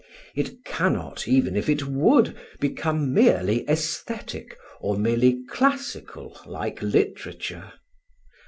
It cannot, even if it would, become merely aesthetic or merely classical like literature.